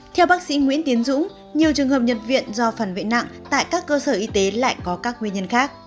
theo bác sĩ nguyễn tiến dũng nhiều trường hợp nhập viện do phần vệ nặng tại các cơ sở y tế lại có các nguyên nhân khác